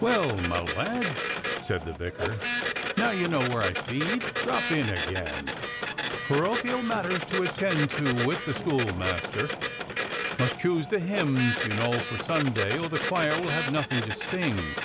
"Well, my lad," said the vicar, "now you know where I feed, drop in again. Parochial matters to attend to with the schoolmaster: must choose the hymns, you know, for Sunday, or the choir will have nothing to sing."